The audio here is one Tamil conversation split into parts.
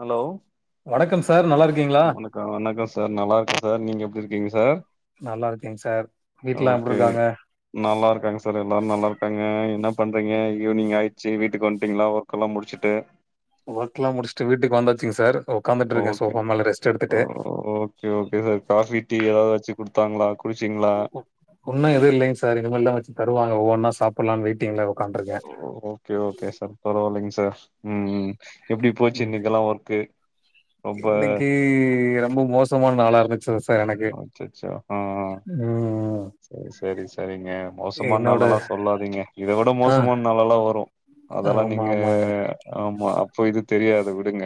ஹலோ வணக்கம் சார் நல்லா இருக் வணக்கொ வணக்கொ சார் நல்லா இருக்க சார் நீங்க எப்டி இருக்கீங்க சார்? நல்லா இருக்கேங் சார் வீட்டுல்லா எப்டி ஓகே இருக்காங்க? நல்லா இருக்காங்க சார் எல்லாரு நல்லா இருக்காங்க என்ன பண்றீங்க ஈவ்னிங் ஆயிட்ச்சு வீட்டுக்கு வந்ட்டீங்களா ஒர்க் எல்லா முடிச்சுட்டு ஒர்க்ல்லா முடிச்சுட்டு வீட்டுக்கு வந்தாச்சுங் சார் ஒக்காந்துட்டுருக்கே ஓகே சோபா மேல ரெஸ்ட் எடுத்துட்டு okay okay sir coffee tea எதாவது வச்சு குடுத்தாங்களா குடிச்சீங்களா உன்னு எது இல்லைங் சார் இனிமேல்தா வச்சு தருவாங்க ஒவ்வொன்னா சாப்புட்லானு வெயிட்டிங்ல உக்காந்டுருக்கே ஓ ஓகே ஓகே சார் பரவால்லைங் சார் ம் ம் எப்டி போச்சு ம். இன்னைக்கெல்லா ஒர்க்கு ரொம்ப இன்னைக்கு ரொம்ப மோசமான நாளா இருந்துச்சர சார் எனக்கு ம் ம் செரி செரி சரிங்க மோசமான என்னோட நாள்ல்லா சொல்லாதீங்க இதை விட ஆ மோசமான நாள்ல்லாம் வரும் அதெல்லா ஆமா நீங்க ஆமாங்க. ஆமா அப்போ இது தெரியாது விடுங்க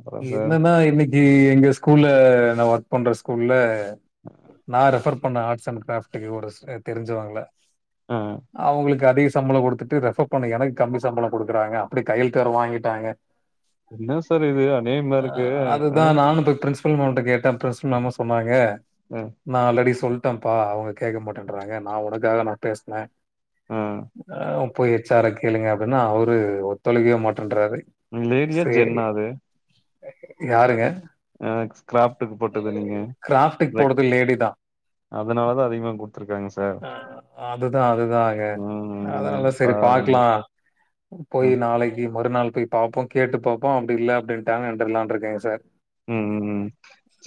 அப்றோ சார் என்னன்னா இன்னைக்கு எங்க ஸ்கூல்ல நா ஒர்க் பண்ற ஸ்கூல்ல நான் ரெஃபர் பண்ண ஆர்ட்ஸ் அண்ட் கிராப்டக்கு ஒரு தெரிஞ்சவாங்க ம் அவங்களுக்கு அதிக சம்பளம் குடுத்துட்டு ரெஃபர் பண்ண எனக்கு கம்மி சம்பளம் குடுக்குறாங்க அப்படி கையெழுத்து வேற வாங்கிட்டாங்க என்ன சார் இது அநியாயமா இருக்கு ஹ என்ன பண்றது பிரின்ஸ் மேம்ட்ட கேட்ட பிரின்ஸ் மேம் சொன்னாங்க ம் நா ஆல்ரெடி சொல்ட்டேன்ப்பா அவங்க கேட்க மாட்டேன்றாங்க நா உனக்காக நா பேசுன ஆ அ போய் எச் ஆர் கேளுங்க அப்படினா அவரு ஒத்தழைகவே மாட்டேன்றாரு லேடியா சேரி ஜென்னா அது யாருங்க அ கிராஃப்டுக்கு போட்டது நீங்க [unintelligible] ரெக் போடுறது லேடி தா அதனாலதா அதிகமா குடுத்துருக்காங்க சார் அதுதா அதுதாங்க ம் ம் அதனால சரி பாருங்க பாக்கலா போய் ம் நாளைக்கு மறுநாள் போய் பாப்போ கேட்டு பாப்போ அப்படி இல்ல அப்படின்டாங்க நிண்டுர்லாண்டு இருக்கேங்க சார் ம்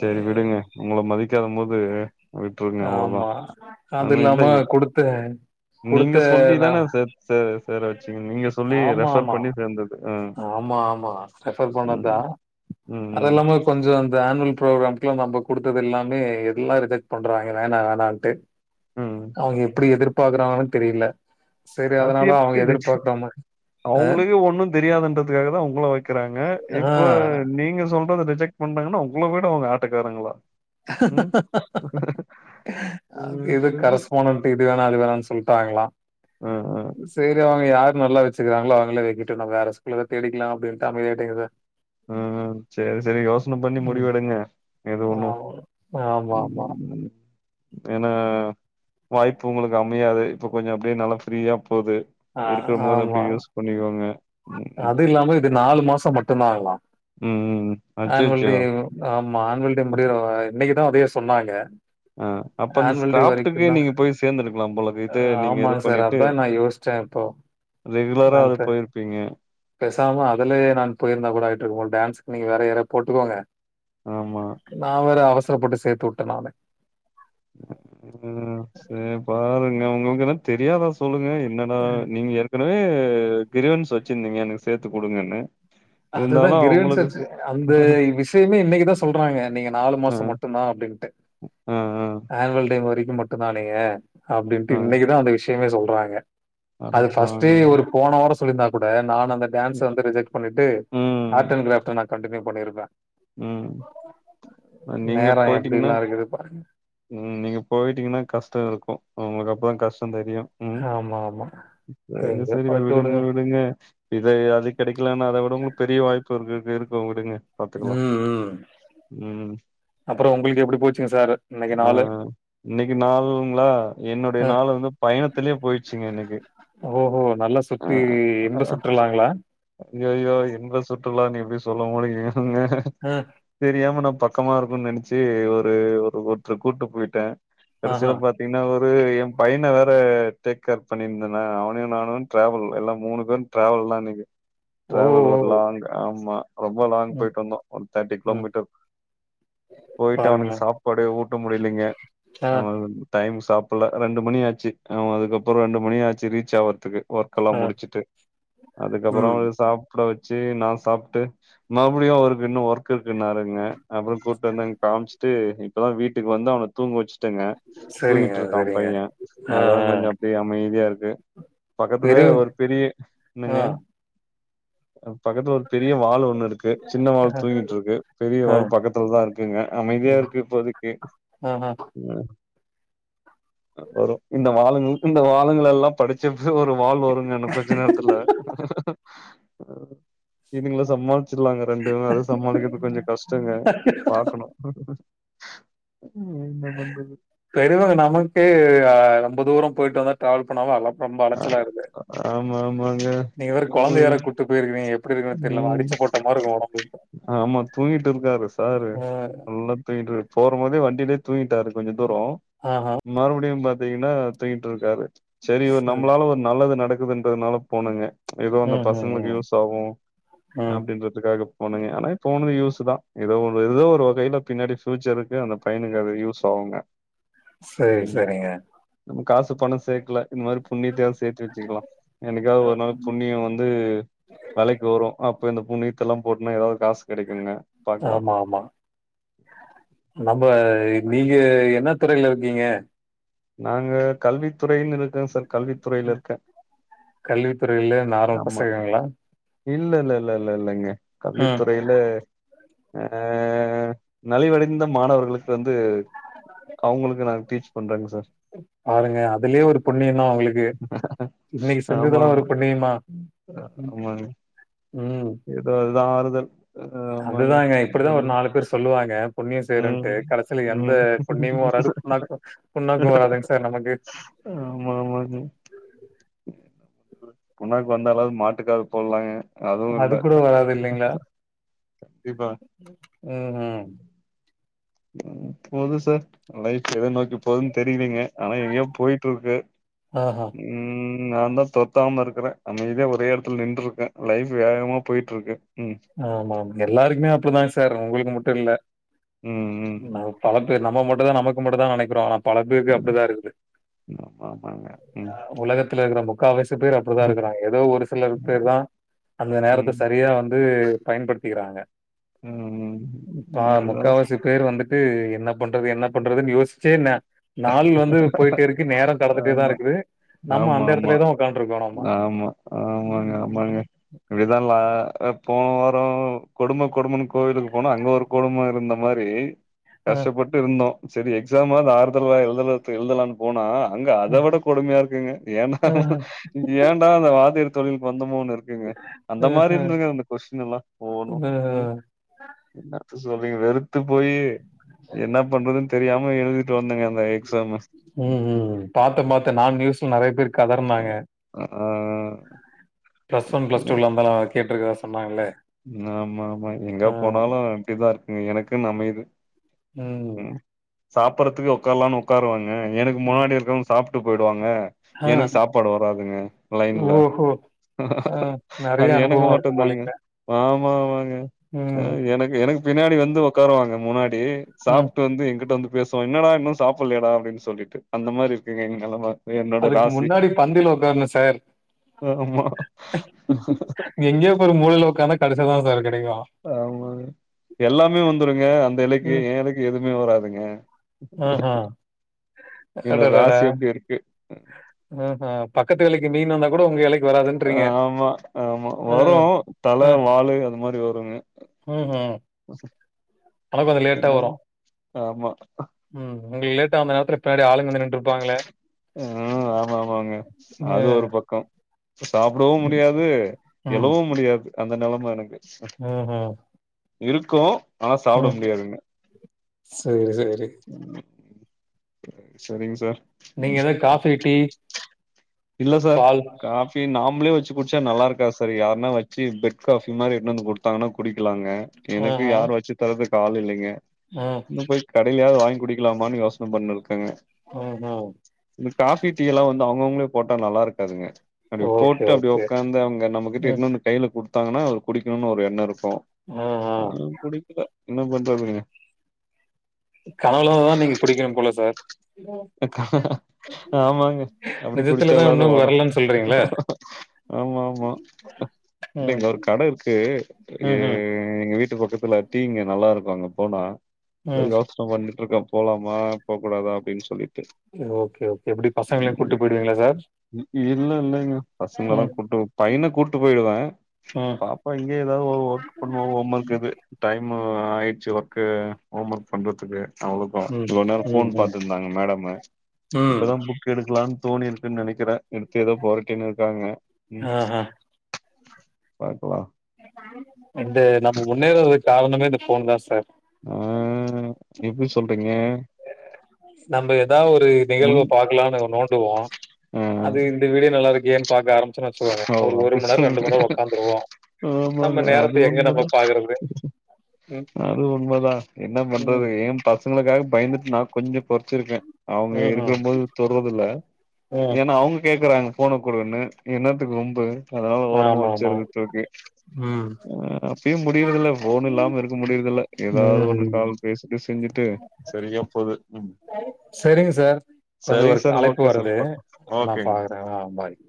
சரி விடுங்க உங்கள மதிக்காத மோது ஆமா அது இல்லாம இல்ல குடுத்தன் நீங்க சொல்லி தான ச சேர வச்சீங்க நீங்க சொல்லி ஆமா ரெஃபர் ஆமா பண்ணி சேர்ந்தது அ. ஆமா ஆமா ரெஃபர் ம். பண்ணதா ம். ம். அதெல்லாமே கொஞ்சோ அந்த ஆனுவல் ப்ரோக்ராம்கல்லா நம்ம குடுத்தது எல்லாமே எல்லா ரிஜெக்ட் பண்றாங்க வேணா வேணான்ட்டு ம். அவங்க எப்டி எதிர்பாக்கறாங்கன்னு தெரியல சரி அது அதனால அவங்க எப்படி ரிஜெக்ட் எதிர்பாக்காம ஆ அவங்களுக்கே ஒண்ணும் தெரியாதுன்றதுக்காக தான் உங்களை வைக்கிறாங்க ஆ இப்போ நீங்க சொல்றது ரிஜெக்ட் பண்றாங்கன்னா உங்கள விட அவங்க ஆட்டக்காரங்களா ம். அங்கேதா கரஸ்பாண்டன் இது வேணா அது வேணான் சொல்ட்டாங்களா ம் ம் செரி அவங்க யார் நல்லா வச்சுருக்காங்களா அவங்களே வக்கட்டு நம்ம வேற ஸ்கூல தேடிக்கலா அப்படின்ட்டு அமைதியாய்ட்டுங்கத ம் செரி செரி யோசனை பண்ணி ம் முடிவு எடுங்க எது ஒன்னு ஆமா ஆமா ஆமா தனா வாய்ப்பு உங்களுக்கு அமையாது இப்ப கொஞ்சோ அப்படியே நல்லா ஃப்ரீயா போது ஆ இருக்கு போது ஆமா. அப்படியே யோசி பண்ணிக்கோங்க ம். அது இல்லாம இது நாலு மாசம் மட்டும்தா ஆகலா ம் ம் ஆனுவல் அச்சச்சோ! டே ஆமா ஆன்வல் டே அப் முடியிற இன்னைக்குதா அதையே சொன்னாங்க அ அப்ப அந்த ஆனுவல் டே ஸ்கிராப்டுக்கு வரைக்குதா நீங்க போய் சேர்ந்திருக்கலாம் போலக்கு. இது நீங்க ஆமா இது சார் பண்ணிட்டு அதான் நா யோஸ்ச் சாந்தோ ரெகுலரா அது போயிருப்பீங்க பேசாம அதுலயே நான் போயிருந்தா கூட ஆகிட்டு இருக்க மாட்ட டான்ஸ்க்கு நீங்க வேற யாராது போட்டுக்கோங்க ஆமா நான் வேற அவசரப்பட்டு சேர்த்துவுட்ட நானே ம் சேரி பாருங்க உங்களுக்கு என்ன தெரியாதா சொல்லுங்க என்னடா நீங்க ஏற்கனவே கிரிவன்ஸ் வெச்சுருந்தீங்க எனக்கு சேத்து குடுங்கனு அதுதா கிரிவின்ஸ் வெச்சு அந்த விஷயமே இன்னிக்குதா சொல்றாங்க நீங்க நாலு அ மாசோ மட்டுதா அப்டின்டு அ ஆனுவல் டே வரிக்கு மட்டுதா நீங்க அப்டின்டு அ அ இன்னிக்குதா அந்த விஷ் சொல்றாங்க அது ஃபஸ்டே அடப்பாவிங்களா! ஒரு போன வாரோ சொல்லிருந்தா கூட நான் அந்த டான்ஸ வந்து ரிஜெக்ட் பண்ணிட்டு ம் ஆர்ட் அண்ட் க்ராப்ட்ல நா கண்டின்யூ பண்ணிருப்பே ம். நீங்க நேரோ போயிட்டீங்கன்னா எப்டில்லா இருக்குது பாருங்க ம் நீங்க போய்ட்டீங்கனா கஷ்டோ இருக்கு அவுங்ளுக்கு அப்பதா கஷ்டோ தெரியு ம் ஆமா, ஆமா. சேரி எங்க சேரி பழட்ட விடுங்க விடுங்க இத அது கெடைக்கலனா அத விட உங்ளுக் பெரிய வாய்ப்பு இருக்கு இருக்கு உடுங்க ம் ம் ம் அப்புறம் உங்களுக்கு எப்படி போச்சுங்க சார் இன்னைக்கு ஆ நாளு? இன்னிக்கு நாளுங்ளா என்னுடைய அ, நாள் வந்து பயணத்துலயே போய்ட்ச்சுங்க எனக்கு ஓஹோ நல்லா சுத்தி இன்ப சுற்றுலாங்ளா ஐயயோ இன்ப சுற்றுலானு எப்டி சொல்ல முடியுங்க அ தெரியாம நா பக்கமா இருக்குன் நெனச்சு ஒரு ஒரு ஒருத்தர கூட்டு போய்ட்டே கடசீல ஆஹா. பாத் ன்னா ஒரு எ பையன வேற டேக் கேர் பண்ணியிருந்தனா அவனையு நானு ட்ராவல் எல்லா மூணு பேரு ட்ராவல்தா அன்னைக்கு ஓ! ஓ! ட்ராவல் ஒரு லாங் ஆமா ரொம்ப லாங் ம், போய்ட்டு வந்தோ தேர்டி ம். கிலோமீட்டர் போய்ட்டு அவனுக்கு பாருங்களேன். சாப்பாடே ஊட்ட முடிலைங்க ஆ, அவ டைம் சாப்புல்ல ரெண்டு மணியாச்சு அதுக்கப்புறோ ரெண்டு மணியாச்சு ரீச் ஆவறதுக்கு கல்லா ஆ. முடிச்சுட்டு அதுக்கப்புறோ ம். சாப் ட வெச்சு நா சாப்ட்டு மறுபுடியு அவருக்கு இன்னு ஒர்க் இருக்குன்னாருங்க அப்றோ கூட்டு வந்து அங்க காம்ச்சுட்டு இப்பதா வீட்டுக்கு வந்து அவன தூங்க வெச்சுட்டங்க சரிங்க, தூங்கிட்ருக்கா சரிங்க. பைய ஆ, அத்தா ஆ. கொஞ்சோ அப்டி அமைதியா இருக்கு பக்கத்துலயே பெரியவ ஒரு பெரிய ஆ, என்னங்க பக்கத்துல ஒரு பெரிய வால் ஒண்ணு இருக்கு சின்ன ஆ, வால் தூங்கிட்ருக்கு பெரிய ஆ. வால் பக்கத்துலதா இருக்குங்க அமைதியா ம். இருக்கு இப்போதைக்கு ஆஹா. வரும் இந்த வாலுங்கள இந்த வாலுங்களெல்லா படிச் சிப்சு ஒரு வால் வருங்க இன்னு கொஞ்ச நேரத்துல இதுங்கள சமாள்ச்சிட்லாங்க ரெண்டுமே அது சமாளிக்கற்து கொஞ்சோ கஷ்டோங்க பாக் ம் என்ன பண்றது செரிவுடுங்க நமக்கு ரொம்ப தூரோ போய்ட்டு வந்தா ட்ராவல் பண்ணாலு நல்லா ரொம்ப ஆ அலச்சலாய்ருது ஆமா ஆமாங்க நீங்கவேற கொழந்தய வேற ம் கூட்டு போய்ருக்கீங்க ம் ஆமா தூங்கிட்ருக்காரு சாரு அ நல்லா தூங்கிட்டு போறமோதே வண்டிலயே தூங்கிட்டாரு கொஞ்ச தூரோ ஆஹா மறுபுடியு பாத்தீங்கன்னா தூங்கிட்டு இருக்காரு செரி இவர் சரி நம்ளால ஒரு நல்லது நடக்குது அதுனால போனங்க எதோ அந்த ம் ம் பசங்ளுக்கு ம் யூஸ் ஆகு ம் அப்டின்றதுக்காக போனங்க ஆனா போனது யூஸ்தா எதோ ஒரு எதோ ஒரு வகைல பின்னாடி ஃபியூச்சருக்கு அந்த பையனுக்கு அது யூஸ் ஆகுங்க சேரி ம் சேரிங்க நம்ம காசு பணோ சேக்கல இந்த மாரி புண்ணியத்தயாது சேத்து வெச்சுக்கலா என்னிக்காது ஒரு நாள் புண்ணியோ வந்து வரு அப்ப இந்த புண்ணீத்த எல்லா போட்டனா எதாவது காசு கிடைக்குங்க பாக்கலாம் ஆமா ஆமா நம்ம நீங்க என்ன துறையில இருக்கீங்க நாங்க கல்வி துறைன்னு இருக்க சார் கல்வி துறையில இருக்க கல்வித்துறையில நார்மல் ஆமா பசங்களா? இல்ல இல்ல இல்ல இல்ல இல்லைங்க ம் கல்வித்துறை ல ஆ நலிவடைந்த மாணவர்களுக்கு வந்து அவுங்களுக்கு நாங்க டீச் பண்றேங்க சார் பாருங்க அதுலயு ஒரு புண்ணியோ தா உங்களுக் கு இன்னைக்கு ஆமா செஞ்சதெல்லா ஒரு ஆமா புண்ணியமா ம் ஆமாங்க ம் ஏதோ இதுதா ஆறுதல் அஹ் ஆமாங்க அதுதாங்க இப்டிதா ஒரு நாலு பேர் சொல்லுவாங்க புண்ணியோ சேய்ரன்ட்டு ம் கடசில எந்த ம் புண்ணியமு வராது னாக்கு புன்னாக்கு வராதுங்க சார் நமக்கு ஆமா ஆமாங்க புண்ணாக்கு வந்தாலாவது மாட்டுக்காது போடலாங்க அதுவு அது இல்ல கூட வராது இல்லைங்களா கண்டிப்பா ம் ம் போது சார் லைஃப் எத நோக்கி போதுனு தெரியலங்க ஆனா எங்கயோ போய்ட்டுருக்கு ஆஹா. ம் நா தா தொத்தாம இருக்கற அமைதியா ஒரே இடத்துல நின்ருக்கே லைஃப் வேகமா போயிட்டு இருக்கு ம் ஆமாமா எல்லாருக்குமே அப்டிதா சார் உங்களுக்கு மட்டுல்ல ம் ம் ந பல பேர் நம்ம மட்டு தா நமக்கு மட்டு தா நனக்கிறோ பல பேருக்கு ம். அப்டிதா இருக்குது ஆமா ஆமாங்க ம் உலகத்துல இருக்கற முக் காவாசி பேர் அப்டிதா ம். இருக்கறாங்க ஏதோ ஒரு சில பேர் தா அந்த நேரத்த சரியா வந் து பயன்படுத்திக்கிறாங்க ம். ப அதான் முக்காவாசி பேர் வந்துட்டு என்ன பண்றது என்ன பண்றதுனு யோசிச்சே ந நாள் வந்து போயிட்டேருக்கு நேர கடந்துடேதா ஆமா. இருக்குது நம்ம ஆமா அந்த ஆமா எடத்துலயேதா உக்காண்ட்ருக்கோ நம்ம ஆமா ஆமாங்க ஆமாங்க இப்டிதால போன வாரோ கொடும கொடுமன்னு கோயிலுக்கு போனா அங்க ஒரு கொடும இருந்த மாரி ஆ கஷ்டப்பட்டு இருந்தோ சரி எக்ஸாமாவது ஆறுதல்லா எழுத எழுதலான்னு போனா அங்க அத விட கொடுமயா இருக்குங்க ஏண்டா ஆ ஏண்டா அந்த வாத்தியார் தொழிளுக்கு வந்தமோன்னு இருக் குங்க அந்த ஆ மாரி ஆ இருதுங்க அந்த கொஸின் எல்லா ஒவ்வொன்னு ம் என்னத்த சொல்லறீங்க வெறுத்து போயி என்ன பண்றதுனு தெரியாம எழுதிட்டு வந்தங்க அந்த எக்ஸாம்மு ம் பாத்த பாத் நான் நியூஸ்ல நறைய பேர் கதறுனாங்க ஆ ப்ளஸ் ஒன் பிளஸ் டூ லந்தாலா கேட்டுருக்கதா சொன்னாங்களே ஆமா ஆமா எங்க போனாலு அப்டிதா இருக்குங்க எனக்குனு அமயுது ம் சாப்படறதுக்கு உக்காரலானு உக்காருவாங்க எனக்கு முன்னாடி இருக்கவங்க சாப்ட்டு போயிடுவாங்க ஆ எனக்கு சாப்பாடு வராதுங்க லைன்ல ஓஹோ ஆ நெறைய அது எனக்கு அனுபவமா மட்டு இருக்கு தாங்க போலீங்க ஆமா ஆமாங்க அ ம் எனக்கு எனக்கு பின்னாடி வந்து உக்காருவாங்க முன்னா டி ம் சாப்ட்டு வந்து எங்கிட்ட வந்து பேசுவா என்னடா இன்னு சாப்டலையாடா அப்டின்னு சொல்லிட்டு அந்த மாரி இருக்குங்க என் நெலம என்னோட அதுக்கு ராசி முன்னாடி பந்தில உக்கார்ணு சார் ஆமா எங்கேயோ ஒரு மூலைல உக்காந்தா கடைசில தா சார் கெடைக்கு ஆமா எல்லாமே வந்துருங்க அந்த எலைக்கு ஏ எலைக்கி எதுமே வராதுங்க ம் ஹூ என்னோட அடடடா ராசி அப்டி இருக்கு ம் ஹூ பக்கத்து எலைக்கு மீன் வந்தா கூட உங்க எலைக்கு ஆமா ஆமா வரு ம். தல வாலு அது மாரி வருங்க ம் ஹும் சார் அது கொஞ்சோ லேட்டா வரு ஆமா ம் உங்குளுக்கு லேட்டா அந்த நேரத்துல பின்னாடி ஆளுங்க வந்து நின்று ஆ ஆமா ஆமாங்க அ. அது ஒரு பக்கோ சாப்டவு முடியாது எழவு முடியாது அந்த நெலம எனக்கு ஓ ஹோ இருக்கு ஆனா சாப்ட முடியாதுங்க சேரி சேரி செரிங் சார் நீங்க எது காஃபி டீ பால் டீ நாம்ளே வச்சு குடிச்சா நல்லா இருக்கா சார் யாருன்னா வச்சு பெட் காஃபி மாரி எடுத்துன் வந்து குடுத்தாங்கன்னா குடிக்கலாங்க எனக்கு யாரு வச்சு தரதுக்கு ஆளு இல்லைங்க ஓ இன்னு போய் கடைலயாது வாங்கி குடிக்கலாமான்னு யோசன பண் இருக்கங்க ஓ ஹோ இந்த காஃபி டீ எல்லா வந்து அவங்கவுங்களே போட்டா நல்லா இருக்காதுங்க அப்டி ஓகே, போட்டு அப்டி ஓகே. ஒக்காந்து அவங்க நம்மகிட்ட ம். எட்டுன் வந்து கைல குடுத்தாங்கன்னா அது குடிக்கணுன்னு ஒரு எண்ணோ இருக்கு ஓ ஆ குடிக்கல என்ன பண்றதுங்க கனவுல தா நீங்க குடிக்கணு போல சார் அ கா ஆமாங்க அப்டி நிஜத்துல தான் குடிச்சாலாது இன்னும் ஓட வரலன்னு சொல்றீங்களே? ஆமா ஆமா ம். இங்க ஒரு கட இருக்கு ஏ ம்ஹ்ம். எங்க இங்க வீட்டு பக்கத்துல டீ இங்க நல்லாருக்கு அங்க போனா அதா ம். யோஸ் [inaudible] பண்ணிட்ருக்கே போலாமா போ கூடாதா அப்டின்னு சொல்லிட்டு ஓகே ஓகே எப்டி பசங்களயு கூட்டு போய்டுவீங்ளா சார் இ இல்ல இல்லைங்க பசங்களலா ம் கூட்டு போ பையன கூட்டு போயிடுவே ம் பா பா இங்கே எதா ஓ ஒர்க் பண்ணுவா ஹோம் ஒர்க் இது டைமு ஆயிச்சு ஒர்க்கு ஹோம் ஒர்க் பண்றத்துக்கு அவுளுக்கு ம் இவ்ளோ நேரோ ம் ஃபோன் ம் பாத்துன் இருந்தாங்க மேடமு ம் இப்பதா புக் எடுக்குலான் தோணிருக்குன்னு நெனைக்கிறே எடுத்து எதோ பொறட்டின்னு இருக்காங்க ஆஹா பாக்குலா வந்து நம்ம முன்னேர்றது காரணமே இந்த ஃபோன் தா சார் ஆ எப்டி சொல்றீங்க நம்ம எதா ஒரு நிகழ்வ முன் பாக்லானு அத நோண்டுவோ ஆ அது இந்த வீடியோ நல்லாருக்கே பாக்க ஆரமிச்சோன்னு வச்சுக்கோங்க ஓ ஒரு அப்டி மண் நேரோ ரெண்டு சொல்லுங்க மண் நேரோ உக்காந்துருவோ நம்ம ஆமாங்க அது நேரத்த எங்க நம்ம உண்மதா பாக்குறது ம் அது உண்மதா என்ன பண்றது ம் ஏ பசங்களுக்காக பயந்துட்டு நா கொஞ்ச பொருத்துருக்கே அவங்க ம்ஹும் இருக்கம் போது தொடுறது இல்ல ம் ஏன்னா அவங்க கேக்குறாங்க போனக்குடுன்னு என்னத்துக்கு வம்பு அதனால ஓரமா ஆமா ஆமா வச்சறது தூக்கி ம் அப்பயு முடியறதுல போன் இல்லாம இருக் முடியறதல்ல ஏதாவது ஒண்ணு ம் கால் பேசி பேசிட்டு இங்குட்டு சரியா போது சரிங்க சார் கொஞ்ச ஒரு சரிங்க சார் அழைப்பு ஓகே சார் வருது பாக்லா நா ஓகேங்க பாக்குறே ஆ பாய்